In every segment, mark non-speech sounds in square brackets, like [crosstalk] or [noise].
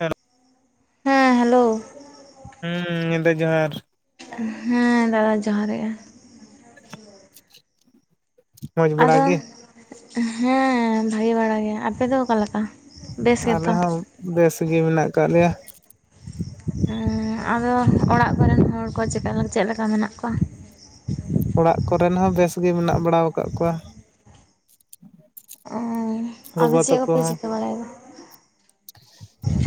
[unintelligible] ᱦᱮᱸ ᱦᱮᱞᱳ ᱦᱩᱸ ᱧᱤᱫᱟᱹ ᱡᱚᱦᱟᱨ। ᱦᱮᱸ ᱫᱟᱫᱟ ᱡᱚᱦᱟᱨ ᱜᱮ ᱾ ᱢᱚᱸᱡᱽ ᱵᱟᱲᱟ ᱟᱫᱚ ᱜᱮ ᱦᱮᱸ ᱵᱷᱟᱜᱤ ᱵᱟᱟᱲ ᱜᱮ ᱟᱯᱮᱫᱚ ᱚᱠᱟᱞᱮᱠᱟ ᱟᱞᱮ ᱦᱚᱸ ᱵᱮᱥ ᱜᱮ ᱢᱮᱱᱟᱜ ᱟᱠᱟᱫ ᱞᱮᱭᱟ। ᱟᱫᱚ ᱚᱲᱟᱜ ᱠᱚᱨᱮᱱ ᱦᱚᱲ ᱠᱚ ᱪᱮᱠᱟ ᱪᱮᱫᱞᱮᱠᱟ ᱢᱮᱱᱟᱜ ᱠᱚᱣᱟ ᱚᱲᱟᱜ ᱠᱚᱨᱮᱱ ᱦᱚᱸ ᱵᱮᱥ ᱜᱮ ᱢᱮᱱᱟᱜ ᱵᱟᱲᱟᱣ ᱠᱟᱜ ᱠᱚᱣᱟ। ᱟᱫᱚ ᱜᱚᱜᱚ ᱪᱮᱫ ᱠᱚᱯᱮ ᱪᱤᱠᱟᱹ ᱵᱟᱲᱟᱭᱮᱫᱟ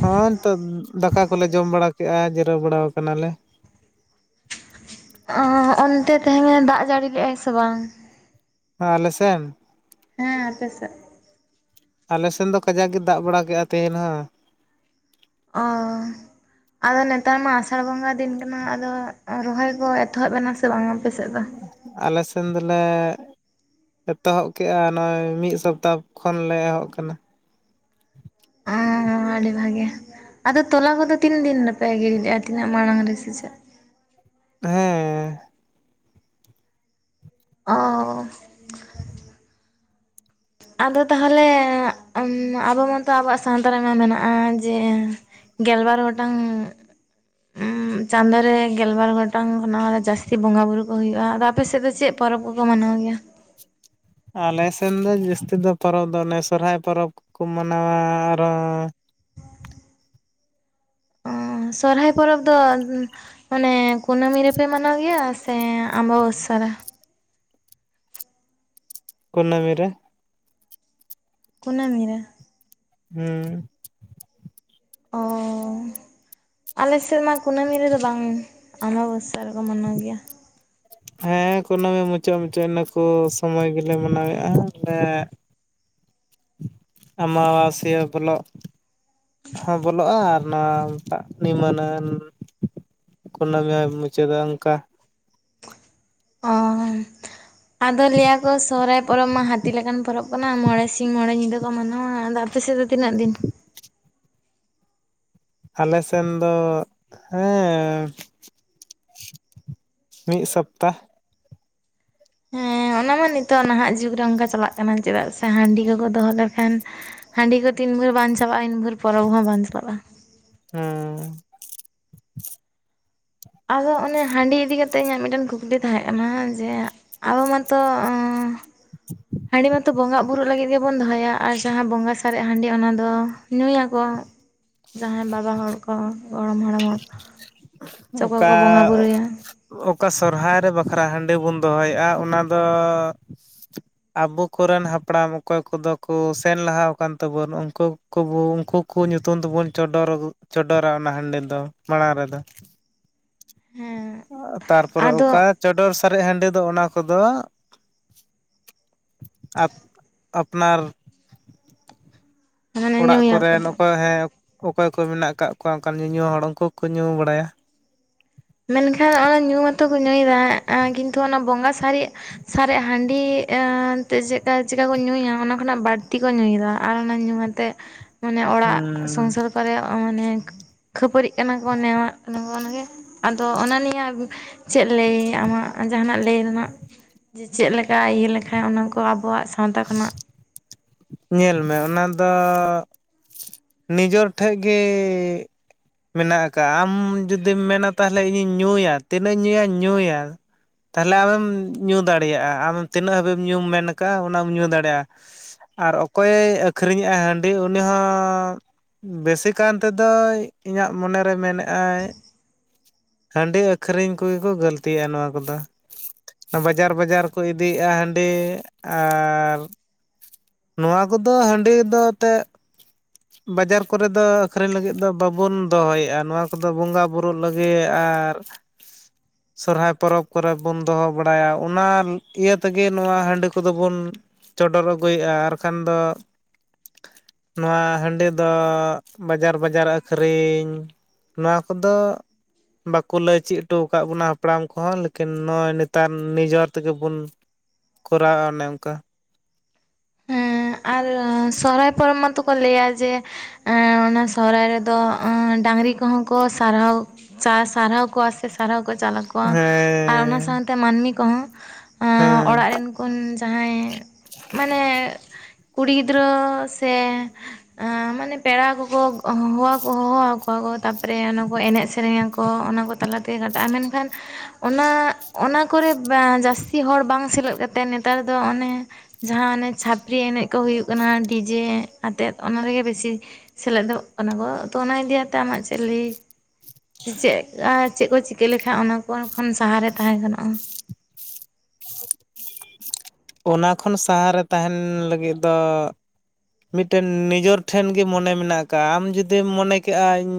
ᱦᱚᱸᱳᱭ ᱱᱤᱛᱳᱜ ᱫᱟᱠᱟ ᱠᱚᱞᱮ ᱡᱚᱢ ᱵᱟᱲᱟ ᱠᱮᱜᱼᱟ ᱡᱤᱨᱟᱹᱣ ᱵᱟᱲᱟ ᱠᱟᱱᱟᱞᱮ। ᱦᱚᱜᱼᱚᱱᱛᱮ ᱛᱮᱦᱮᱧᱮ ᱫᱟᱜ ᱡᱟᱹᱲᱤ ᱞᱮᱜᱼᱟᱭ ᱥᱮ ᱵᱟᱝ ᱦᱮᱸ ᱟᱞᱮᱥᱮᱱ ᱦᱮᱸ ᱟᱯᱮᱥᱮᱫ। ᱟᱞᱮᱥᱮᱱ ᱫᱚ ᱠᱟᱡᱟᱠ ᱜᱮ ᱫᱟᱜ ᱵᱟᱲᱟ ᱠᱮᱜᱼᱟ ᱛᱮᱦᱮᱱ ᱦᱚᱸ। ᱚᱻᱻ ᱟᱫᱚ ᱱᱮᱛᱟᱨ ᱢᱟ ᱟᱥᱟᱲ ᱵᱚᱸᱜᱟ ᱫᱤᱱ ᱠᱟᱱᱟ ᱟᱫᱚ ᱨᱚᱦᱚᱭ ᱠᱚ ᱮᱛᱚᱦᱚᱵ ᱮᱱᱟ ᱥᱮ ᱵᱟᱝᱟ ᱟᱯᱮᱥᱮᱫ ᱫᱚ? ᱟᱞᱮ ᱥᱮᱱ ᱫᱚᱞᱮ ᱼᱼ ᱮᱛᱚᱦᱚᱵ ᱠᱮᱜᱼᱟ ᱱᱚᱜᱼᱚᱭ ᱢᱤᱫ ᱥᱚᱯᱛᱟᱦᱚ ᱠᱷᱚᱱ ᱞᱮ ᱮᱦᱚᱵ ᱠᱟᱱᱟ। ᱦ [unintelligible] ᱟᱹᱰᱤ ᱵᱷᱟᱜᱮ᱾ ᱟᱫᱚ ᱛᱚᱞᱟ ᱠᱚᱫᱚ ᱛᱤᱱ ᱫᱤᱱ ᱨᱮᱯᱮ ᱜᱤᱰᱤ ᱞᱮᱜᱼᱟ ᱛᱤᱱᱟᱹᱜ ᱢᱟᱲᱟᱝ ᱨᱮ ᱥᱮ ᱪᱮᱫ। ᱦᱮᱸ ᱚ ᱟᱫᱚ ᱛᱟᱦᱚᱞᱮ᱾ [unintelligible] ᱟᱵᱚ ᱢᱟᱛᱚ ᱟᱵᱚᱣᱟᱜ ᱥᱟᱶᱛᱟ ᱨᱮᱢᱟ ᱢᱮᱱᱟᱜᱼᱟ ᱡᱮ ᱼᱼ ᱜᱮᱞᱵᱟᱨ ᱜᱚᱴᱟᱝ ᱼᱼ ᱚᱸᱻ ᱪᱟᱸᱫᱳ ᱨᱮ ᱜᱮᱞᱵᱟᱨ ᱜᱚᱴᱟᱝ ᱠᱷᱚᱱᱟᱜ ᱡᱟᱹᱥᱛᱤ ᱵᱚᱸᱜᱟ ᱵᱩᱨᱩ ᱠᱚ ᱦᱩᱭᱩᱜᱼᱟ ᱟᱫᱚ ᱟᱯᱮᱥᱮᱫ ᱫᱚ ᱪᱮᱫ ᱯᱚᱨᱚᱵᱽ ᱠᱚᱠᱚ ᱢᱟᱱᱟᱣ ᱜᱮᱭᱟ ᱟᱞᱮ ᱥᱮᱱ ᱫᱚ ᱡᱟᱹᱥᱛᱤ ᱫᱚ ᱯᱚᱨᱚᱵᱽ ᱫᱚ ᱚᱱᱮ ᱥᱚᱨᱦᱟᱭ ᱯᱚᱨᱚᱵᱽ ᱠᱚᱠᱚ ᱢᱟᱱᱟᱣᱟ ᱟᱨᱦᱚᱸ ᱼᱼ ᱚᱸ ᱥᱚᱨᱦᱟᱭ ᱯᱚᱨᱚᱵᱽ ᱫᱚ ᱼᱼ ᱢᱟᱱᱮ ᱠᱩᱱᱟᱹᱢᱤ ᱨᱮᱯᱮ ᱢᱟᱱᱟᱣ ᱜᱮᱭᱟ ᱥᱮ ᱟᱢᱵᱟᱵᱥᱥᱟ ᱨᱮ᱾ ᱠᱩᱱᱟᱹᱢᱤ ᱨᱮ ᱠᱩᱱᱟᱹᱢᱤ ᱨᱮ ᱦᱮᱸ ᱚ [inaudible] ᱟᱞᱮ ᱥᱮᱫᱢᱟ ᱠᱩᱱᱟᱹᱢᱤ ᱨᱮᱫᱚ ᱵᱟᱝ ᱚᱢᱟᱵᱚᱥᱥᱟ ᱨᱮᱠᱚ ᱢᱟᱱᱟᱣ ᱜᱮᱭᱟ। ᱦᱮᱸ ᱠᱩᱱᱟᱹᱢᱤ ᱢᱩᱪᱟᱹᱫ ᱢᱩᱪᱟᱹᱫ ᱤᱱᱟᱹ ᱠᱚ ᱥᱚᱢᱚᱭ ᱜᱮᱞᱮ ᱢᱟᱱᱟᱣᱮᱜᱼᱟ ᱟᱞᱮ ᱼᱼ ᱟᱢᱟᱵᱟᱥᱤᱭᱟᱹ ᱵᱚᱞᱚᱜ ᱼᱼ ᱦᱚᱸ ᱵᱚᱞᱚᱜᱼᱟ ᱟᱨ ᱱᱚᱣᱟᱴᱟᱜ ᱱᱤᱢᱟᱹᱱᱟᱹᱱ [unintelligible] ᱼᱼ ᱠᱩᱱᱟᱹᱢᱤ ᱦᱚᱸᱭ ᱢᱩᱪᱟᱹᱫᱟ ᱚᱱᱠᱟ᱾ ᱚ [inaudible] ᱟᱫᱚ ᱞᱟᱹᱭᱟᱠᱚ ᱥᱚᱦᱚᱨᱟᱭ ᱯᱚᱨᱚᱵᱽ ᱢᱟ ᱦᱟᱹᱛᱤ ᱞᱮᱠᱟᱱ ᱯᱚᱨᱚᱵᱽ ᱠᱟᱱᱟ ᱢᱚᱬᱮ ᱥᱤᱧ ᱢᱚᱬᱮ ᱧᱤᱫᱟᱹ ᱠᱚ ᱢᱟᱱᱟᱣᱟ ᱟᱫᱚ ᱟᱯᱮᱥᱮᱫ ᱫᱚ ᱛᱤᱱᱟᱹᱜ ᱫᱤᱱ? ᱟᱞᱮ ᱥᱮᱱ ᱫᱚ ᱦᱮ ᱢᱤᱜ ᱥᱚᱯᱛᱟ᱾ ᱦᱮ ᱚᱱᱟ ᱢᱟ ᱱᱤᱛᱚᱜ ᱱᱟᱦᱟᱜ ᱡᱩᱠᱽ ᱨᱮ ᱚᱱᱠᱟ ᱪᱟᱞᱟᱜ ᱠᱟᱱᱟ᱾ ᱪᱮᱫᱟᱜ ᱥᱮ ᱦᱟᱺᱰᱤ ᱠᱚᱠᱚ ᱫᱚᱦᱚ ᱞᱮᱠᱷᱟᱱ, ᱦᱟᱺᱰᱤ ᱠᱚ ᱛᱤᱱ ᱵᱷᱳᱨ ᱵᱟᱝ ᱪᱟᱵᱟᱜᱼᱟ ᱤᱱ ᱵᱷᱳᱨ ᱯᱚᱨᱚᱵᱽ ᱦᱚ ᱵᱟᱝ ᱪᱟᱵᱟᱜᱼᱟ᱾ ᱦᱩᱸ᱾ ᱟᱫᱚ ᱚᱱᱮ ᱦᱟᱺᱰᱤ ᱤᱫᱤ ᱠᱟᱛᱮᱜ ᱤᱧᱟᱹᱜ ᱢᱤᱫᱴᱮᱱ ᱠᱩᱠᱞᱤ ᱛᱟᱦᱮᱸ ᱠᱟᱱᱟ? ᱡᱮ ᱟᱵᱚ ᱢᱟᱛᱚ [inaudible] ᱦᱟᱺᱰᱤ ᱢᱟᱛᱚ ᱵᱚᱸᱜᱟᱜ ᱵᱩᱨᱩ ᱞᱟᱹᱜᱤᱫ ᱜᱮᱵᱚᱱ ᱫᱚᱦᱚᱭᱟ᱾ ᱟᱨ ᱡᱟᱦᱟᱸ ᱵᱚᱸᱜᱟ ᱥᱟᱨᱮᱡ ᱦᱟᱺᱰᱤ ᱚᱱᱟ ᱫᱚ ᱧᱩᱭᱟᱠᱚ᱾ ᱡᱟᱦᱟᱸᱭ ᱵᱟᱵᱟ ᱦᱚᱲ ᱠᱚ, ᱜᱚᱲᱚᱢ ᱦᱟᱲᱟᱢ ᱦᱚᱲ ᱠᱚ ᱪᱮ ᱠᱚᱭ ᱚᱠᱟ ᱠᱚ ᱵᱚᱸᱜᱟᱼᱵᱩᱨᱩᱭᱟ᱾ ᱚᱠᱟ ᱥᱚᱨᱦᱟᱭ ᱨᱮ ᱵᱟᱠᱷᱨᱟ ᱦᱟᱺᱰᱤ ᱵᱚᱱ ᱫᱚᱦᱚᱭᱮᱜᱼᱟ ᱚᱱᱟᱫᱚ ᱟᱵᱚ ᱠᱚᱨᱮᱱ ᱦᱟᱯᱲᱟᱢ ᱚᱠᱚᱭ ᱠᱚᱫᱚ ᱠᱚ ᱥᱮᱱ ᱞᱟᱦᱟᱣ ᱟᱠᱟᱱ ᱛᱟᱵᱳᱣᱟᱱ ᱩᱱᱠᱩ ᱠᱚᱵᱚ ᱩᱱᱠᱩ ᱠᱚ ᱧᱩᱛᱩᱢ ᱛᱮᱵᱚᱱ ᱪᱚᱰᱚᱨ ᱪᱚᱰᱚᱨᱟ ᱚᱱᱟ ᱦᱟᱺᱰᱤ ᱛᱚ ᱢᱟᱲᱟᱝ ᱨᱮᱫᱚ ᱦᱮᱸ ᱛᱟᱨᱯᱚᱨᱮ ᱟᱫᱚ ᱚᱠᱟ, ᱪᱚᱰᱚᱨ ᱥᱟᱨᱮᱡ ᱦᱟᱺᱰᱤ ᱫᱚ ᱚᱱᱟ ᱠᱚᱫᱚ, [inaudible] ᱟᱯᱱᱟᱨ, ᱢᱟᱱᱮ ᱚᱲᱟᱜ ᱧᱩᱭᱟᱠᱚ ᱠᱚᱨᱮᱱ ᱫᱚ ᱚᱠᱚᱭ ᱦᱮ ᱚᱠᱚᱭ ᱠᱚ ᱢᱮᱱᱟᱜ ᱠᱟᱜ ᱠᱚᱣᱟ ᱚᱱᱠᱟᱱ ᱧᱩᱧᱩ ᱦᱚᱲ ᱩᱱᱠᱩ ᱠᱚᱠᱚ ᱧᱩ ᱵᱟᱲᱟᱭᱟ᱾ ᱢᱮᱱᱠᱷᱟᱱ ᱚᱱᱟ ᱧᱩ ᱢᱟᱛᱚ ᱠᱚ ᱧᱩᱭᱮᱫᱟ ᱠᱤᱱᱛᱩ ᱚᱱᱟ ᱵᱚᱸᱜᱟ ᱥᱟᱨᱮᱡ ᱥᱟᱨᱮᱡ ᱦᱟᱺᱰᱤ ᱮ ᱛᱮ ᱪᱮᱫᱠᱟ ᱪᱮᱠᱟᱠᱩ ᱧᱩᱭᱟ ᱚᱱᱟ ᱠᱷᱚᱱᱟᱜ ᱵᱟᱹᱲᱛᱤ ᱠᱚ ᱧᱩᱭᱮᱫᱟ ᱟᱨ ᱚᱱᱟ ᱧᱩ ᱟᱛ ᱛᱮ, ᱢᱟᱱᱮ ᱚᱲᱟᱜ ᱦᱩᱸ ᱥᱚᱝᱥᱟᱨ ᱠᱚᱨᱮ ᱢᱟᱱᱮ ᱠᱷᱟᱹᱯᱟᱹᱨᱤᱜ ᱠᱟᱱᱟ ᱠᱚ ᱱᱮᱣᱟᱜ ᱠᱟᱱᱟ ᱚᱱᱠᱚᱱᱜᱮ, ᱟᱫᱚ ᱚᱱᱟ ᱱᱤᱭᱮ ᱪᱮᱫ ᱞᱟᱹᱭ ᱟᱢᱟᱜ ᱡᱟᱦᱟᱱᱟᱜ ᱞᱟᱹᱭ ᱨᱮᱱᱟᱜ? ᱡᱮ ᱪᱮᱜᱞᱮᱠᱟ ᱤᱭᱟᱹ ᱞᱮᱠᱷᱟᱱ ᱚᱱᱟᱠᱚ ᱟᱵᱚ ᱥᱟᱶᱛᱟ ᱠᱷᱚᱱᱟᱜ ᱧᱮᱞ ᱢᱮ ᱚᱱᱟ ᱫᱚ ᱱᱤᱡᱮᱨ ᱴᱷᱮᱡ ᱜᱮ, ᱢᱮᱱᱟᱜ ᱟᱠᱟᱜᱼᱟ᱾ ᱟᱢ ᱡᱩᱫᱤᱢ ᱢᱮᱱᱟ ᱛᱟᱦᱚᱞᱮ ᱤᱧᱤᱧ ᱧᱩᱭᱟ ᱛᱤᱱᱟᱹᱜ ᱧᱩᱭᱟ ᱧᱩᱭᱟ, ᱛᱟᱦᱞᱮ ᱟᱢᱮᱢ ᱧᱩ ᱫᱟᱲᱮᱭᱟᱜᱼᱟ᱾ ᱟᱢ ᱛᱤᱱᱟᱹᱜ ᱦᱟᱹᱵᱤᱡ ᱧᱩᱢ ᱢᱮᱱ ᱠᱟᱜᱼᱟ ᱚᱱᱟᱢ ᱧᱩ ᱫᱟᱲᱮᱭᱟᱜᱼᱟ᱾ ᱟᱨ ᱚᱠᱚᱭ ᱮ ᱟᱹᱠᱷᱨᱤᱧᱮᱜᱼᱟ ᱦᱟᱺᱰᱤ ᱩᱱᱤ ᱦᱚᱸ, ᱵᱮᱥᱤ ᱠᱟᱱᱛᱮ ᱫᱚᱭ ᱤᱧᱟᱹᱜ ᱢᱚᱱᱮᱨᱮ ᱢᱮᱱᱮᱜᱟᱭ ᱦᱟᱺᱰᱤ ᱟᱹᱠᱷᱨᱤᱧ ᱠᱚᱜᱮ ᱠᱚ ᱜᱟᱹᱞᱛᱤ ᱭᱮᱜᱼᱟ ᱱᱚᱣᱟ ᱠᱚᱫᱚ᱾ ᱵᱟᱡᱟᱨ ᱵᱟᱡᱟᱨ ᱠᱚ ᱤᱫᱤᱭᱮᱜᱼᱟ ᱦᱟᱺᱰᱤ ᱟᱨ, ᱱᱚᱣᱟ ᱠᱚᱫᱚ ᱦᱟᱺᱰᱤ ᱫᱚ ᱛᱮᱜ ᱵᱟᱡᱟᱨ ᱠᱚᱨᱮ ᱫᱚ ᱟᱹᱠᱷᱨᱤᱧ ᱞᱟᱹᱜᱤᱫ ᱫᱚ ᱵᱟᱵᱚᱱ ᱫᱚᱦᱚᱭᱮᱜᱼᱟ ᱱᱚᱣᱟ ᱠᱚᱫᱚ ᱵᱚᱸᱜᱟ ᱵᱩᱨᱩᱜ ᱞᱟᱹᱜᱤᱫ ᱟᱨ, [inaudible] ᱥᱚᱨᱦᱟᱭ ᱯᱚᱨᱚᱵ ᱠᱚᱨᱮ ᱵᱚᱱ ᱫᱚᱦᱚ ᱵᱟᱲᱟᱭᱟ᱾ ᱚᱱᱟ ᱤᱭᱟᱹ ᱛᱮᱜᱮ ᱱᱚᱣᱟ ᱦᱟᱺᱰᱤ, ᱠᱚᱫᱚ ᱵᱩᱱ ᱪᱚᱰᱚᱨ ᱟᱹᱜᱩᱭᱮᱜᱼᱟ ᱟᱨᱠᱷᱟᱱ ᱫᱚ, ᱱᱚᱣᱟ ᱦᱟᱺᱰᱤ ᱫᱚ ᱵᱟᱡᱟᱨ ᱵᱟᱡᱟᱨ ᱟᱹᱠᱷᱨᱤᱧ ᱱᱚᱣᱟ ᱠᱚᱫᱚ ᱵᱟᱠᱚ ᱞᱟᱹᱭ ᱪᱮᱜ ᱴᱚᱣ ᱠᱟᱜ ᱵᱚᱱᱟ ᱦᱟᱯᱲᱟᱢ ᱠᱚᱦᱚᱸ ᱞᱮᱠᱤᱱ ᱱᱚᱜᱚᱭ ᱱᱮᱛᱟᱨ ᱱᱤᱡᱮᱨ ᱛᱮᱜᱮ ᱵᱩᱱ ᱠᱚᱨᱟᱣ ᱮᱜᱼᱟ ᱚᱱᱮ ᱚᱝᱠᱟ᱾ ᱦᱮᱸ ᱟᱨ ᱥᱚᱦᱨᱟᱭ ᱯᱚᱨᱚᱵᱽ ᱢᱟᱛᱚ ᱠᱚ ᱞᱟᱹᱭᱟ ᱡᱮ ᱮ ᱚᱱᱟ ᱥᱚᱦᱟᱭ ᱨᱮᱫᱚ ᱰᱟᱝᱨᱤ ᱠᱚᱦᱚᱸ ᱠᱚ ᱥᱟᱨᱦᱟᱣ, ᱥᱟ, ᱥᱟᱨᱦᱟᱣ ᱠᱚᱣᱟ ᱥᱮ ᱥᱟᱨᱦᱟᱣ ᱠᱚ ᱪᱟᱞ ᱟᱠᱚᱣᱟ᱾ ᱠᱚᱣᱟ ᱟᱨ ᱚᱱᱟ ᱦᱮᱸ ᱥᱟᱶᱛᱮ ᱢᱟᱹᱱᱢᱤ ᱠᱚᱦᱚ ᱚᱸ ᱦᱮᱸ ᱚᱲᱟᱜ ᱨᱮᱱ ᱩᱱ ᱡᱟᱦᱟᱸᱭ ᱢᱟᱱᱮ ᱠᱩᱲᱤ ᱜᱤᱫᱽᱨᱟᱹ ᱥᱮ ᱮ ᱢᱟᱱᱮ ᱯᱮᱲᱟ ᱠᱚᱠᱚ ᱦᱚᱦᱚᱣᱟ ᱠᱚ ᱦᱚᱦᱚᱣᱟ ᱠᱚᱣᱟ ᱠᱚ ᱛᱟ [unintelligible] ᱮᱱᱮᱡ ᱥᱮᱨᱮᱧ ᱟᱠᱚ ᱚᱱᱟ ᱠᱚ ᱛᱟᱞᱟ ᱛᱮᱜᱮ ᱠᱟᱴᱟᱜᱼᱟ ᱢᱮᱱᱠᱷᱟᱱ ᱚᱱᱟ ᱚᱱᱟ ᱠᱚᱨᱮ ᱡᱟᱹᱥᱛᱤ ᱦᱚᱲ ᱵᱟᱝ ᱥᱮᱞᱮᱫ ᱠᱟᱛᱮ ᱱᱮᱛᱟᱨ ᱫᱚ ᱚᱱᱮ ᱡᱟᱦᱟ ᱚᱱᱮ ᱪᱷᱟᱹᱯᱨᱤ ᱮᱱᱮᱡ ᱠᱚ ᱦᱩᱭᱩᱜ ᱠᱟᱱᱟ ᱰᱤᱡᱮ ᱟᱛᱮᱜ ᱚᱱᱟ ᱨᱮᱜᱮ ᱵᱮᱥᱤ ᱥᱮᱞᱮᱫᱚᱜ ᱠᱟᱱᱟ ᱠᱚ ᱛᱚ ᱚᱱᱟ ᱤᱫᱤᱭᱟᱛᱮ ᱟᱢᱟᱜ ᱪᱮᱫ ᱞᱟᱹᱭ? [unintelligible] ᱪᱮᱫᱠᱟ ᱪᱮᱫ ᱠᱚ ᱪᱤᱠᱟᱹ ᱞᱮᱠᱷᱟᱱ ᱚᱱᱟ ᱠᱚ ᱠᱷᱚᱱ ᱥᱟᱦᱟᱨᱮ ᱛᱟᱦᱮᱸ ᱜᱟᱱᱚᱜᱼᱟ? [inaudible] ᱚᱱᱟ ᱠᱷᱚᱱ ᱥᱟᱦᱟᱨᱮ ᱛᱟᱦᱮᱱ ᱞᱟᱹᱜᱤᱫ ᱫᱚ ᱢᱤᱫᱴᱮᱱ ᱱᱤᱡᱚᱨ ᱴᱷᱮᱱ ᱜᱮ ᱢᱚᱱᱮ ᱢᱮᱱᱟᱜ ᱠᱟᱜᱼᱟ ᱟᱢ ᱡᱩᱫᱤᱢ ᱢᱚᱱᱮ ᱠᱮᱜᱼᱟ ᱤᱧ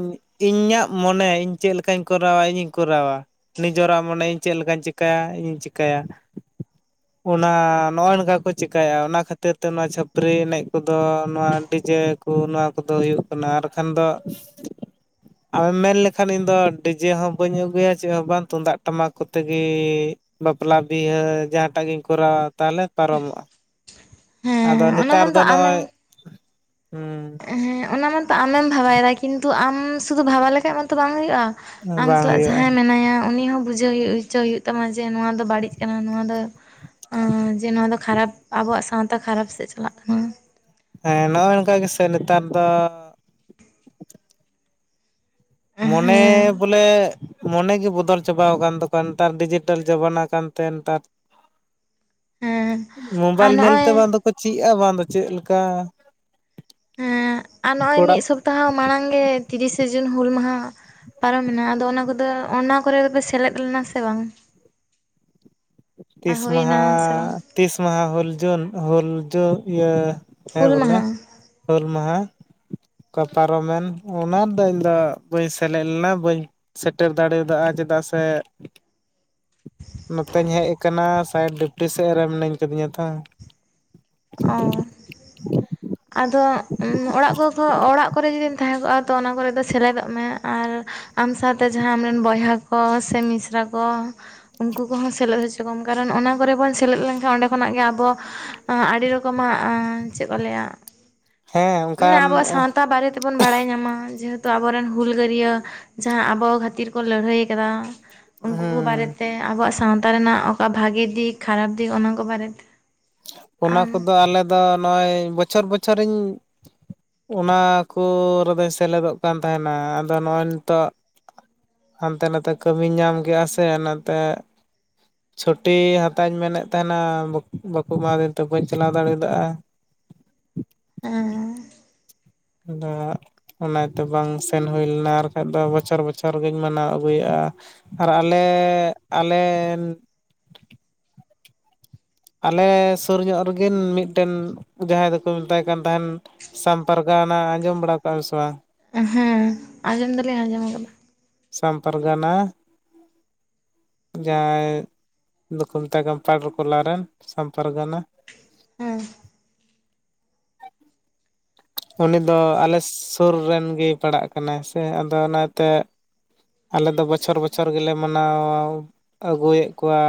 ᱤᱧᱟᱹᱜ ᱢᱚᱱᱮ ᱤᱧ ᱪᱮᱫ ᱞᱮᱠᱟᱧ ᱠᱚᱨᱟᱣᱟ ᱤᱧᱤᱧ ᱠᱚᱨᱟᱣᱟ ᱾ ᱱᱤᱡᱚᱨᱟᱜ ᱢᱟᱱᱮ ᱤᱧ ᱪᱮᱫ ᱞᱮᱠᱟᱧ ᱪᱤᱠᱟᱹᱭᱟ ᱤᱧᱤᱧ ᱪᱤᱠᱟᱹᱭᱟ ᱚᱱᱟ ᱱᱚᱜᱼᱚᱭ ᱱᱚᱝᱠᱟ ᱠᱚ ᱪᱤᱠᱟᱭᱟ ᱚᱱᱟ ᱠᱷᱟᱹᱛᱤᱨ ᱛᱮ ᱱᱚᱣᱟ ᱪᱷᱟᱹᱯᱨᱤ ᱮᱱᱮᱡ ᱠᱚᱫᱚ ᱱᱚᱣᱟ ᱰᱤᱡᱮ ᱠᱚ ᱱᱚᱣᱟ ᱠᱚᱫᱚ ᱦᱩᱭᱩᱜ ᱠᱟᱱᱟ ᱟᱨᱠᱷᱟᱱ ᱫᱚ ᱟᱢᱮᱢ ᱢᱮᱱ ᱞᱮᱠᱷᱟᱱ ᱤᱧᱫᱚ ᱰᱤᱡᱮ ᱦᱚᱸ ᱵᱟᱹᱧ ᱟᱹᱜᱩᱭᱟ ᱪᱮᱫ ᱦᱚᱸ ᱵᱟᱝ ᱛᱩᱢᱫᱟᱜ ᱴᱟᱢᱟᱠ ᱠᱚᱛᱮᱜᱮ ᱵᱟᱯᱞᱟ ᱵᱤᱦᱟᱹ ᱡᱟᱦᱟᱸᱴᱟᱜ ᱜᱮᱧ ᱠᱚᱨᱟᱣᱟ ᱛᱟᱦᱞᱮ ᱯᱟᱨᱚᱢᱚᱜᱼᱟ ᱾ ᱟᱫᱚ ᱦᱮᱸ ᱚᱱᱟ ᱱᱮᱛᱟᱨ ᱢᱚᱛᱚ ᱫᱚ ᱱᱚᱜᱼᱚᱭ ᱟᱢᱮᱢ ᱦᱩᱸ ᱦᱮᱸ ᱚᱱᱟ ᱢᱟᱛᱚ ᱟᱢᱮᱢ ᱵᱷᱟᱵᱟᱭᱮᱫᱟ ᱠᱤᱱᱛᱩ ᱟᱢ ᱥᱩᱫᱩ ᱵᱷᱟᱵᱷᱟ ᱞᱮᱠᱷᱟᱡ ᱢᱟᱛᱚ ᱵᱟᱝ ᱦᱩᱭᱩᱜᱼᱟ ᱾ ᱟᱢ ᱵᱟᱝ ᱥᱟᱞᱟᱜ ᱦᱩᱭᱩᱜᱼᱟ ᱡᱟᱦᱟᱸᱭ ᱢᱮᱱᱟᱭᱟ ᱩᱱᱤ ᱦᱚᱸ ᱵᱩᱡᱷᱟᱹᱣ ᱦᱚᱪᱚ ᱦᱩᱭᱩᱜ ᱛᱟᱢᱟ ᱡᱮ ᱱᱚᱣᱟ ᱫᱚ ᱵᱟᱹᱲᱤᱡ ᱠᱟᱱᱟ ᱱᱚᱣᱟ ᱫᱚ ᱮᱸ ᱡᱮ ᱱᱚᱣᱟ ᱫᱚ ᱠᱷᱟᱨᱟᱯ ᱟᱵᱚᱣᱟᱜ ᱥᱟᱶᱛᱟ ᱠᱷᱟᱨᱟᱯ ᱥᱮᱫ ᱪᱟᱞᱟᱜ ᱠᱟᱱᱟ ᱾ ᱦᱮᱸ ᱱᱚᱜᱼᱚᱭ ᱱᱚᱝᱠᱟ ᱜᱮᱥᱮ ᱱᱮᱛᱟᱨ ᱫᱚ ᱢᱚᱱᱮ ᱦᱮᱸ ᱵᱚᱞᱮ ᱢᱚᱱᱮ ᱜᱮ ᱵᱚᱫᱚᱞ ᱪᱟᱵᱟᱣ ᱠᱟᱱ ᱛᱟᱠᱚᱣᱟ ᱱᱮᱛᱟᱨ ᱰᱤᱡᱤᱴᱮᱞ ᱡᱟᱢᱟᱱᱟ ᱠᱟᱱᱛᱮ ᱱᱮᱛᱟᱨ ᱾ ᱦᱮᱸ ᱟᱨ ᱢᱳᱵᱟᱭᱤᱞ ᱱᱚᱜᱼᱚᱭ ᱧᱮᱞᱛᱮ ᱵᱟᱝ ᱫᱚ ᱪᱤᱜᱼᱟ ᱵᱟᱝ ᱫᱚ ᱪᱮᱫ ᱞᱮᱠᱟ? ᱦᱮᱸ ᱟᱨ ᱱᱚᱜᱼᱚᱭ ᱢᱤᱫ ᱠᱚᱲᱟᱜ ᱥᱚᱯᱛᱟᱦᱚ ᱢᱟᱲᱟᱝ ᱜᱮ ᱛᱤᱨᱤᱥᱮ ᱡᱩᱱ ᱦᱩᱞ ᱢᱟᱦᱟ ᱯᱟᱨᱚᱢᱮᱱᱟ ᱟᱫᱚ ᱚᱱᱟ ᱠᱚᱫᱚ ᱚᱱᱟ ᱠᱚᱨᱮ ᱫᱚᱯᱮ ᱥᱮᱞᱮᱫ ᱞᱮᱱᱟ ᱥᱮ ᱵᱟᱝ? ᱟᱨ ᱛᱤᱥ ᱦᱩᱭᱱᱟ ᱢᱟᱦᱟ ᱥᱮ ᱵᱟᱝ ᱛᱤᱥ ᱢᱟᱦᱟ ᱦᱩᱞ ᱡᱩᱱ ᱦᱞ ᱡᱩ ᱤᱭᱟᱹ ᱦᱮᱸ ᱦᱩᱞ ᱵᱚᱞᱮ ᱢᱟᱦᱟ ᱦᱩᱞ ᱢᱟᱦᱟ ᱚᱠᱟ ᱯᱟᱨᱚᱢᱮᱱ ᱚᱱᱟ ᱨᱮᱫᱚ ᱤᱧᱫᱚ ᱵᱟᱹᱧ ᱥᱮᱞᱮᱫ ᱞᱮᱱᱟ ᱵᱟᱹᱧ ᱥᱮᱴᱮᱨ ᱫᱟᱲᱮᱭᱟᱫᱟᱜᱼᱟ ᱪᱮᱫᱟᱜ ᱥᱮ ᱱᱚᱛᱮᱧ ᱦᱮᱡ ᱠᱟᱱᱟ ᱥᱟᱭᱤᱰ ᱰᱤᱯᱴᱤ ᱥᱮᱫ ᱨᱮ ᱢᱤᱱᱟᱹᱧ ᱠᱟᱫᱤᱧᱟ ᱛᱷᱚᱨ ᱚ ᱟᱫᱚ ᱚᱲᱟᱜ ᱠᱚ ᱚᱲᱟᱜ ᱠᱚᱨᱮ ᱡᱩᱫᱤᱢ ᱛᱟᱦᱮᱸ ᱠᱚᱜᱼᱟ ᱛᱚ ᱚᱱᱟ ᱠᱚᱨᱮ ᱫᱚ ᱥᱮᱞᱮᱫᱚᱜ ᱢᱮ ᱟᱨ ᱟᱢ ᱥᱟᱶᱛᱮ ᱡᱟᱦᱟᱸ ᱟᱢᱨᱮᱱ ᱵᱚᱭᱦᱟ ᱠᱚ ᱥᱮ ᱢᱤᱥᱨᱟ ᱠᱚ ᱩᱱᱠᱩ ᱠᱚᱦᱚᱸ ᱥᱮᱞᱮᱫ ᱦᱚᱪᱚ ᱠᱚᱢ ᱠᱟᱨᱚᱱ ᱚᱱᱟ ᱠᱚᱨᱮ ᱵᱚᱱ ᱥᱮᱞᱮᱫ ᱞᱮᱱᱠᱷᱟᱱ ᱚᱸᱱᱰᱮ ᱠᱷᱚᱱᱟᱜ ᱜᱮ ᱟᱵᱚ ᱟᱹᱰᱤ ᱨᱚᱠᱚᱢᱟᱜ ᱪᱮᱫ ᱠᱚ ᱞᱟᱹᱭᱟ ᱦᱮᱸ ᱢᱟᱱᱮ ᱚᱱᱠᱟᱱ ᱟᱵᱚᱣᱟᱜ ᱥᱟᱶᱛᱟ ᱵᱟᱨᱮ ᱛᱮᱵᱚᱱ ᱵᱟᱲᱟᱭ ᱧᱟᱢᱟ ᱡᱮᱦᱮᱛᱩ ᱟᱵᱚᱨᱮᱱ ᱦᱩᱞᱜᱟᱹᱨᱭᱟᱹ ᱡᱟᱦᱟᱸ ᱟᱵᱚ ᱠᱷᱟᱹᱛᱤᱨ ᱠᱚ ᱞᱟᱹᱲᱦᱟᱹᱭ ᱟᱠᱟᱫᱟ ᱩᱱᱠᱩ ᱠᱚ ᱦᱮᱸ ᱵᱟᱨᱮᱛᱮ ᱟᱵᱚᱣᱟᱜ ᱥᱟᱶᱛᱟ ᱨᱮᱱᱟᱜ ᱚᱠᱟ ᱵᱷᱟᱜᱤ ᱫᱤᱠ ᱠᱷᱟᱨᱟᱯ ᱫᱤᱠ ᱚᱱᱟ ᱠᱚ ᱵᱟᱨᱮᱛᱮ ᱾ ᱚᱱᱟ ᱠᱚᱫᱚ ᱟᱞᱮ ᱫᱚ ᱱᱚᱜᱼᱚᱭ ᱵᱚᱪᱷᱚᱨ ᱵᱚᱪᱷᱚᱨᱤᱧ ᱚᱱᱟ ᱠᱚ ᱨᱮᱫᱚᱧ ᱥᱮᱞᱮᱫᱚᱜ ᱠᱟᱱ ᱛᱟᱦᱮᱱᱟ ᱟᱫᱚ ᱱᱚᱜᱼᱚᱭ ᱱᱤᱛᱳᱜ ᱦᱟᱱᱛᱮ ᱱᱟᱛᱮ ᱠᱟᱹᱢᱤᱧ ᱧᱟᱢ ᱠᱮᱫᱼᱟ ᱥᱮ ᱚᱱᱟᱛᱮ ᱪᱷᱩᱴᱤ ᱦᱟᱛᱟᱣᱤᱧ ᱢᱮᱱᱮᱫ ᱛᱟᱦᱮᱱᱟ ᱵᱟᱠᱚ ᱮᱢᱟᱫᱤᱧ ᱛᱮ ᱵᱟᱹᱧ ᱪᱟᱞᱟᱣ ᱫᱟᱲᱮᱭᱟᱫᱟᱜᱼᱟ ᱦᱮᱸ ᱦᱟᱸᱜ ᱚᱱᱟ ᱛᱮ ᱵᱟᱝ ᱥᱮᱱ ᱦᱩᱭ ᱞᱮᱱᱟ ᱟᱨᱠᱷᱟᱡ ᱫᱚ ᱵᱚᱪᱷᱚᱨ ᱵᱚᱪᱷᱚᱨ ᱜᱤᱧ ᱢᱟᱱᱟᱣ ᱟᱹᱜᱩᱭᱟᱜᱼᱟ ᱾ ᱟᱨ ᱟᱞᱮ ᱟᱞᱮ ᱟᱞᱮ ᱥᱩᱨ ᱧᱚᱜ ᱨᱮᱜᱤᱱ ᱢᱤᱫᱴᱮᱱ ᱡᱟᱦᱟᱸᱭ ᱫᱚᱠᱚ ᱢᱮᱛᱟᱭ ᱠᱟᱱ ᱛᱟᱦᱮᱱ ᱥᱟᱢᱯᱟᱨᱜᱟᱣᱟᱱᱟ ᱟᱸᱡᱚᱢ ᱵᱟᱲᱟ ᱠᱟᱜᱼᱟᱢ ᱥᱮ ᱵᱟᱝ? ᱦᱮᱸ ᱟᱸᱡᱚᱢ ᱫᱚᱟᱞᱞᱤᱧ ᱟᱸᱡᱚᱢ ᱠᱟᱫᱟ ᱥᱟᱢ ᱯᱟᱨᱜᱟᱱᱟ ᱡᱟᱦᱟᱸᱭ ᱫᱚᱠᱚ ᱢᱮᱛᱟᱭ ᱠᱟᱱ ᱯᱟᱰᱟᱨᱠᱚᱞᱟ ᱨᱮᱱ ᱥᱟᱢ ᱯᱟᱨᱜᱟᱱᱟ ᱦᱮᱸ ᱩᱱᱤ ᱫᱚ ᱟᱞᱮ ᱥᱩᱨ ᱨᱮᱱ ᱜᱮᱭ ᱯᱟᱲᱟᱜ ᱠᱟᱱᱟᱭ ᱥᱮ ᱟᱫᱚ ᱚᱱᱟᱛᱮ ᱟᱞᱮ ᱫᱚ ᱵᱚᱪᱷᱚᱨ ᱵᱚᱪᱷᱚᱨ ᱜᱮᱞᱮ ᱢᱟᱱᱟᱣ ᱟᱹᱜᱩᱭᱮᱫ ᱠᱚᱣᱟ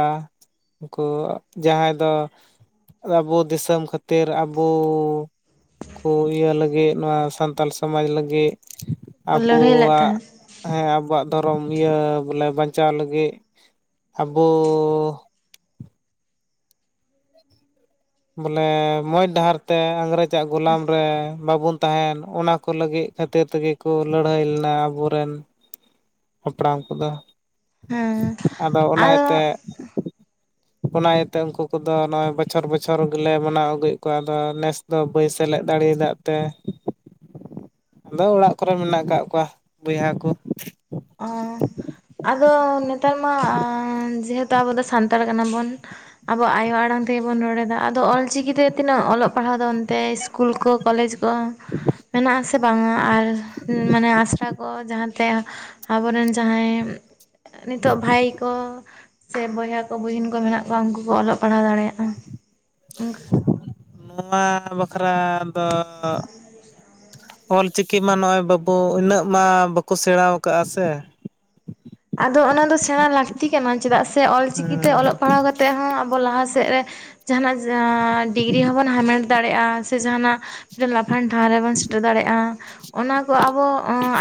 ᱩᱱᱠᱩ ᱡᱟᱦᱟᱸᱭ ᱫᱚ ᱟᱵᱚ ᱫᱤᱥᱚᱢ ᱠᱷᱟᱹᱛᱤᱨ ᱟᱵᱚ ᱠᱚ ᱤᱭᱟᱹ ᱞᱟᱹᱜᱤᱫ ᱱᱚᱣᱟ ᱥᱟᱱᱛᱟᱞ ᱥᱚᱢᱟᱡᱽ ᱞᱟᱹᱜᱤᱫ ᱞᱟᱹᱲᱦᱟᱹᱭ ᱞᱮᱫ ᱟᱵᱚᱣᱟᱜ ᱛᱟᱦᱮᱸᱫ ᱦᱮᱸ ᱟᱵᱚᱣᱟᱜ ᱫᱷᱚᱨᱚᱢ ᱤᱭᱟᱹ ᱵᱚᱞᱮ ᱵᱟᱧᱪᱟᱣ ᱞᱟᱹᱜᱤᱫ ᱟᱵᱚ ᱵᱚᱞᱮ ᱢᱚᱸᱡᱽ ᱰᱟᱦᱟᱨ ᱛᱮ ᱟᱝᱨᱮᱡᱟᱜ ᱜᱩᱞᱟᱢ ᱨᱮ ᱵᱟᱵᱚᱱ ᱛᱟᱦᱮᱱ ᱚᱱᱟ ᱠᱚ ᱞᱟᱹᱜᱤᱫ ᱠᱷᱟᱹᱛᱤᱨ ᱛᱮᱜᱮ ᱠᱚ ᱞᱟᱹᱲᱦᱟᱹᱭ ᱞᱮᱱᱟ ᱟᱵᱚ ᱨᱮᱱ ᱦᱟᱯᱲᱟᱢ ᱠᱚᱫᱚ ᱦᱮᱸ ᱟᱫᱚ ᱚᱱᱟ ᱤᱭᱟᱹ ᱛᱮ ᱚᱱᱟ ᱤᱭᱟᱹ ᱛᱮ ᱩᱱᱠᱩ ᱠᱚᱫᱚ ᱱᱚᱜᱼᱚᱭ ᱵᱚᱪᱷᱚᱨ ᱵᱚᱪᱷᱚᱨ ᱜᱮᱞᱮ ᱢᱟᱱᱟᱣ ᱟᱹᱜᱩᱭᱮᱫ ᱠᱚᱣᱟ ᱟᱫᱚ ᱱᱮᱥ ᱫᱚ ᱵᱟᱹᱧ ᱥᱮᱞᱮᱫ ᱫᱟᱲᱮᱭᱟᱫᱟᱜ ᱛᱮ ᱟᱫᱚ ᱚᱲᱟᱜ ᱠᱚᱨᱮ ᱢᱮᱱᱟᱜ ᱟᱠᱟᱜ ᱠᱚᱣᱟ ᱵᱚᱭᱦᱟ ᱠᱚ ᱚᱻ ᱟᱫᱚ ᱱᱮᱛᱟᱨ ᱢᱟ ᱡᱮ ᱦᱮᱛᱩ ᱟᱵᱚ ᱫᱚ ᱥᱟᱱᱛᱟᱲ ᱠᱟᱱᱟ ᱵᱚᱱ ᱟᱵᱚᱣᱟᱜ ᱟᱭᱳ ᱟᱲᱟᱝ ᱛᱮᱜᱮ ᱵᱚᱱ ᱨᱚᱲᱮᱫᱟ ᱟᱫᱚ ᱚᱞ ᱪᱤᱠᱤ ᱛᱮ ᱛᱤᱱᱟᱹᱜ ᱚᱞᱚᱜ ᱯᱟᱲᱦᱟᱣ ᱫᱚ ᱚᱱᱛᱮ ᱤᱥᱠᱩᱞ ᱠᱚ ᱠᱚᱞᱮᱡᱽ ᱠᱚ ᱢᱮᱱᱟᱜ ᱟᱥᱮ ᱵᱟᱝᱟ ᱟᱨ ᱢᱟᱱᱮ ᱟᱥᱲᱟ ᱠᱚ ᱡᱟᱦᱟᱸ ᱛᱮ ᱟᱵᱚ ᱨᱮᱱ ᱡᱟᱦᱟᱸᱭ ᱱᱤᱛᱚᱜ ᱵᱷᱟᱭ ᱠᱚ ᱥᱮ ᱵᱚᱭᱦᱟ ᱠᱚ ᱵᱩᱦᱤᱱ ᱠᱚ ᱢᱮᱱᱟᱜ ᱠᱚᱣᱟ ᱩᱱᱠᱩ ᱠᱚ ᱚᱞᱚᱜ ᱯᱟᱲᱦᱟᱣ ᱫᱟᱲᱮᱭᱟᱜᱼᱟ ᱱᱚᱣᱟ ᱵᱟᱠᱷᱨᱟ ᱫᱚ ᱚᱞᱪᱤᱠᱤ ᱢᱟ ᱱᱚᱜᱼᱚᱭ ᱵᱟᱹᱵᱩ ᱤᱱᱟᱹᱜ ᱢᱟ ᱵᱟᱠᱚ ᱥᱮᱬᱟ ᱟᱠᱟᱣᱟᱜᱼᱟ ᱥᱮ ᱟᱫᱚ ᱚᱱᱟ ᱫᱚ ᱥᱮᱬᱟ ᱞᱟᱹᱠᱛᱤ ᱠᱟᱱᱟ ᱪᱮᱫᱟᱜ ᱥᱮ ᱚᱞ ᱪᱤᱠᱤ ᱛᱮ ᱦᱮᱸ ᱚᱞᱚᱜ ᱯᱟᱲᱦᱟᱣ ᱠᱟᱛᱮᱫ ᱦᱚᱸ ᱟᱵᱚ ᱞᱟᱦᱟ ᱥᱮᱫ ᱨᱮ ᱡᱟᱦᱟᱱᱟᱜ ᱟᱸᱻ ᱰᱤᱜᱽᱨᱤ ᱦᱚᱸ ᱵᱚᱱ ᱦᱟᱢᱮᱴ ᱫᱟᱲᱮᱭᱟᱜᱼᱟ ᱥᱮ ᱡᱟᱦᱟᱱᱟᱜ ᱞᱟᱯᱷᱟᱝ ᱴᱷᱟᱶ ᱨᱮᱵᱚᱱ ᱥᱮᱴᱮᱨ ᱫᱟᱲᱮᱭᱟᱜᱼᱟ ᱚᱱᱟ ᱠᱚ ᱟᱵᱚ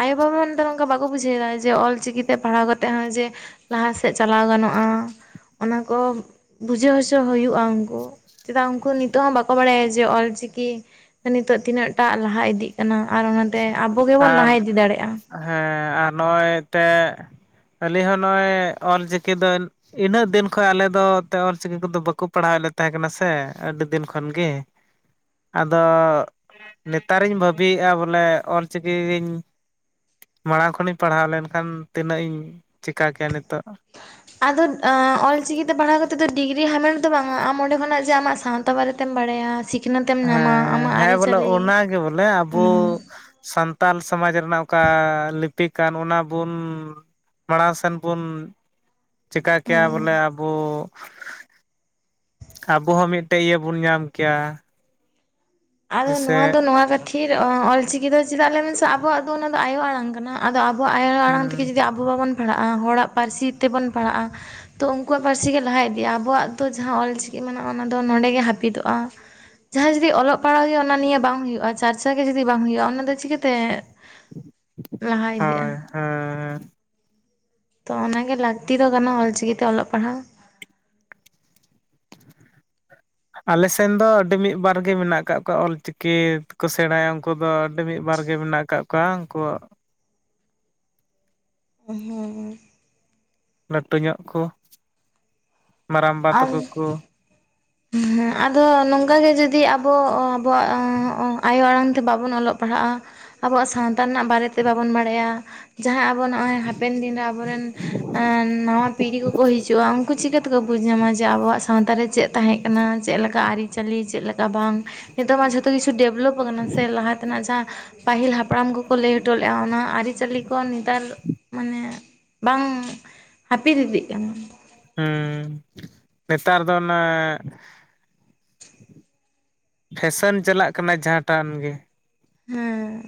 ᱟᱭᱳ ᱵᱟᱵᱟ ᱫᱚ ᱱᱮᱛᱟᱨ ᱚᱝᱠᱟ ᱵᱟᱠᱚ ᱵᱩᱡᱷᱟᱹᱣᱮᱫᱟ ᱡᱮ ᱚᱞ ᱪᱤᱠᱤ ᱛᱮ ᱯᱟᱲᱦᱟᱣ ᱠᱟᱛᱮᱫ ᱦᱚᱸ ᱡᱮ ᱞᱟᱦᱟ ᱥᱮᱫ ᱪᱟᱞᱟᱣ ᱜᱟᱱᱚᱜᱼᱟ ᱚᱱᱟ ᱠᱚ ᱵᱩᱡᱷᱟᱹᱣ ᱦᱚᱪᱚ ᱦᱩᱭᱩᱜᱼᱟ ᱩᱱᱠᱩ ᱪᱮᱫᱟᱜ ᱩᱱᱠᱩ ᱱᱤᱛᱚᱜ ᱦᱚᱸ ᱵᱟᱠᱚ ᱵᱟᱲᱟᱭᱟ ᱡᱮ ᱚᱞ ᱪᱤᱠᱤ ᱱᱤᱛᱚᱜ ᱛᱤᱱᱟᱹᱜ ᱴᱟᱜ ᱞᱟᱦᱟ ᱤᱫᱤᱜ ᱠᱟᱱᱟ ᱟᱨ ᱚᱱᱟᱛᱮ ᱟᱵᱚ ᱜᱮᱵᱚᱱ ᱟᱨ ᱞᱟᱦᱟ ᱤᱫᱤ ᱫᱟᱲᱮᱭᱟᱜᱼᱟ ᱦᱮᱸ ᱟᱨ ᱱᱚᱜᱼᱚᱸᱭ ᱛᱮᱜ ᱟᱹᱞᱤᱧ ᱦᱚᱸ ᱱᱚᱜᱼᱚᱭ ᱚᱞ ᱪᱤᱠᱤ ᱫᱚ ᱤᱱᱟᱹᱜ ᱫᱤᱱ ᱠᱷᱚᱡ ᱟᱞᱮ ᱫᱚ ᱚᱱᱛᱮ ᱚᱞ ᱪᱤᱠᱤ ᱠᱚᱫᱚ ᱵᱟᱠᱚ ᱯᱟᱲᱦᱟᱣᱮᱫ ᱞᱮ ᱛᱟᱦᱮᱸ ᱠᱟᱱᱟ ᱥᱮ ᱟᱹᱰᱤ ᱫᱤᱱ ᱠᱷᱚᱱ ᱜᱮ ᱟᱫᱚ ᱱᱮᱛᱟᱨᱤᱧ ᱵᱷᱟᱹᱵᱤᱭᱮᱜᱼᱟ ᱵᱚᱞᱮ ᱚᱞᱪᱤᱠᱤ ᱜᱤᱧ ᱢᱟᱲᱟᱝ ᱠᱷᱚᱱᱤᱧ ᱯᱟᱲᱦᱟᱣ ᱞᱮᱱᱠᱷᱟᱱ ᱛᱤᱱᱟᱹᱜ ᱤᱧ ᱪᱮᱠᱟ ᱠᱮᱭᱟ ᱱᱤᱛᱚᱜ ᱟᱫᱚ ᱚᱞᱪᱤᱠᱤ ᱛᱮ ᱯᱟᱲᱦᱟᱣ ᱠᱟᱛᱮᱫ ᱫᱚ ᱰᱤᱜᱽᱨᱤ ᱦᱟᱢᱮᱴ ᱫᱚ ᱵᱟᱝᱟ ᱟᱢ ᱚᱸᱰᱮ ᱠᱷᱚᱱᱟᱜ ᱡᱮ ᱟᱢᱟᱜ ᱥᱟᱶᱛᱟ ᱵᱟᱨᱮᱛᱮᱢ ᱵᱟᱲᱟᱭᱟ ᱥᱤᱠᱷᱱᱟᱹᱛᱮᱢ ᱧᱟᱢᱟ ᱦᱮᱸ ᱟᱢᱟᱜ ᱦᱮᱸ ᱵᱚᱞᱮ ᱟᱹᱨᱤᱪᱟᱹᱞᱤ ᱚᱱᱟᱜᱮ ᱵᱚᱞᱮ ᱟᱵᱚ ᱚᱱᱟ ᱥᱟᱱᱛᱟᱞ ᱥᱚᱢᱟᱡᱽ ᱨᱮᱱᱟᱜ ᱚᱠᱟ ᱞᱤᱯᱤ ᱠᱟᱱ ᱚᱱᱟ ᱵᱩᱱ ᱢᱟᱲᱟᱝ ᱥᱮᱱ ᱵᱚᱱ ᱪᱮᱠᱟ ᱠᱮᱭᱟ ᱦᱮᱸ ᱵᱚᱞᱮ ᱟᱵᱚᱻ ᱟᱵᱚ ᱦᱚᱸ ᱢᱤᱫᱴᱮᱜ ᱤᱭᱟᱹ ᱵᱚᱱ ᱧᱟᱢ ᱠᱮᱭᱟ ᱟᱫᱚ ᱡᱮᱥᱮ ᱱᱚᱣᱟ ᱫᱚ ᱱᱚᱣᱟ ᱠᱟᱹᱛᱷᱤᱨ ᱚᱞᱪᱤᱠᱤ ᱫᱚ ᱪᱮᱫᱟᱜ ᱞᱟᱹᱭ ᱢᱮᱥᱮ ᱟᱵᱚᱣᱟᱜ ᱫᱚ ᱚᱱᱟ ᱫᱚ ᱟᱭᱳ ᱟᱲᱟᱝ ᱠᱟᱱᱟ ᱟᱫᱚ ᱟᱵᱚᱣᱟᱜ ᱟᱭᱳ ᱟᱲᱟᱝ ᱛᱮᱜᱮ ᱦᱩᱸ ᱡᱩᱫᱤ ᱟᱵᱚ ᱵᱟᱵᱚᱱ ᱯᱟᱲᱦᱟᱜᱼᱟ ᱦᱚᱲᱟᱜ ᱯᱟᱹᱨᱥᱤ ᱛᱮᱵᱚᱱ ᱯᱟᱲᱦᱟᱜᱼᱟ ᱛᱚ ᱩᱱᱠᱩᱣᱟᱜ ᱯᱟᱹᱨᱥᱤ ᱜᱮ ᱞᱟᱦᱟ ᱤᱫᱤᱜᱼᱟ ᱟᱵᱚᱣᱟᱜ ᱫᱚ ᱡᱟᱦᱟᱸ ᱚᱞᱪᱤᱠᱤ ᱢᱮᱱᱟᱜᱼᱟ ᱚᱱᱟ ᱫᱚ ᱱᱚᱸᱰᱮ ᱜᱮ ᱦᱟᱹᱯᱤᱫᱚᱜᱼᱟ ᱡᱟᱦᱟᱸᱭ ᱡᱩᱫᱤ ᱚᱞᱚᱜᱼᱼ ᱯᱟᱲᱦᱟᱣ ᱜᱮ ᱚᱱᱟ ᱱᱤᱭᱮ ᱵᱟᱝ ᱦᱩᱭᱩᱜᱼᱟ ᱪᱟᱨᱪᱟ ᱜᱮ ᱡᱩᱫᱤ ᱵᱟᱝ ᱦᱩᱭᱩᱜᱼᱟ ᱚᱱᱟ ᱫᱚ ᱪᱤᱠᱟᱹ ᱛᱮ ᱦᱳᱭ ᱦᱮᱸ ᱦᱮᱸ ᱛᱚ ᱚᱱᱟᱜᱮ ᱞᱟᱹᱠᱛᱤ ᱫᱚ ᱠᱟᱱᱟ ᱚᱞᱪᱤᱠᱤ ᱛᱮ ᱚᱞᱚᱜ ᱯᱟᱲᱦᱟᱣ ᱟᱞᱮ ᱥᱮᱱ ᱫᱚ ᱟᱹᱰᱤ ᱢᱤᱫ ᱵᱟᱨ ᱜᱮ ᱢᱮᱱᱟᱜ ᱟᱠᱟᱫ ᱠᱚᱣᱟ ᱚᱞᱪᱤᱠᱤ ᱠᱚ ᱥᱮᱬᱟᱭᱟ ᱩᱱᱠᱩ ᱫᱚ ᱟᱹᱰᱤ ᱢᱤᱫ ᱵᱟᱨ ᱜᱮ ᱢᱮᱱᱟᱜ ᱠᱚᱣᱟ ᱟᱠᱟᱫ ᱠᱚᱣᱟ ᱩᱱᱠᱩᱣᱟᱜ [unintelligible] ᱦᱚᱸ ᱦᱚᱸ ᱞᱟᱹᱴᱩ ᱧᱚᱜ ᱠᱚ ᱢᱟᱨᱟᱝᱵᱟ ᱛᱟᱠᱚ ᱠᱚ ᱦᱚᱸ ᱟᱫᱚ ᱱᱚᱝᱠᱟ ᱜᱮ ᱡᱩᱫᱤ ᱟᱵᱚ ᱟᱵᱚᱣᱟᱜ ᱟᱭᱳ ᱟᱲᱟᱝ ᱛᱮ ᱵᱟᱵᱚᱱ ᱚᱞᱚᱜ ᱯᱟᱲᱦᱟᱜᱼᱟ ᱟᱵᱚᱣᱟᱜ ᱥᱟᱶᱛᱟ ᱨᱮᱱᱟᱜ ᱵᱟᱨᱮ ᱛᱮ ᱵᱟᱵᱚᱱ ᱵᱟᱲᱟᱭᱟ ᱡᱟᱦᱟᱸ ᱟᱵᱚᱱ ᱦᱚᱸᱜᱼᱚᱭ ᱦᱟᱯᱮᱱ ᱫᱤᱱᱨᱮ ᱟᱵᱚᱨᱮᱱ ᱱᱟᱣᱟ ᱯᱤᱲᱦᱤ ᱠᱚᱠᱚ ᱦᱤᱡᱩᱜᱼᱟ ᱩᱱᱠᱩ ᱪᱤᱠᱟᱹ ᱛᱮᱠᱚ ᱵᱩᱡᱽ ᱧᱟᱢᱟ ᱡᱮ ᱟᱵᱚᱣᱟᱜ ᱥᱟᱶᱛᱟ ᱨᱮ ᱪᱮᱫ ᱛᱟᱦᱮᱸ ᱠᱟᱱᱟ ᱪᱮᱜ ᱞᱮᱠᱟ ᱟᱹᱨᱤᱪᱟᱹᱞᱤ ᱪᱮᱜ ᱞᱮᱠᱟ ᱵᱟᱝ ᱱᱤᱛᱚᱜ ᱢᱟ ᱡᱷᱚ ᱡᱚᱛᱚ ᱠᱤᱪᱷᱩ ᱰᱮᱵᱷᱞᱚᱯ ᱟᱠᱟᱱᱟ ᱥᱮ ᱞᱟᱦᱟ ᱛᱮᱱᱟᱜ ᱡᱟᱦᱟᱸ ᱯᱟᱹᱦᱤᱞ ᱦᱟᱯᱲᱟᱢ ᱠᱚᱠᱚ ᱞᱟᱹᱭ ᱦᱚᱴᱚ ᱞᱮᱜᱼᱟ, ᱚᱱᱟ ᱟᱹᱨᱤᱪᱟᱹᱞᱤ ᱠᱚ ᱱᱮᱛᱟᱨ ᱢᱟᱱᱮ ᱵᱟᱝ ᱦᱟᱹᱯᱤᱫ ᱤᱫᱤᱜ ᱠᱟᱱᱟ᱾ ᱚᱸ ᱱᱮᱛᱟᱨ ᱫᱚ ᱚᱱᱟ ᱯᱷᱮᱥᱮᱱ ᱪᱟᱞᱟᱜ ᱠᱟᱱᱟ ᱡᱟᱦᱟᱸᱴᱟᱱ ᱜᱤ᱾ ᱦᱮᱸ